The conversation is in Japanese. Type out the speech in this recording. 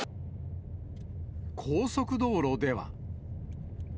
高速道路では。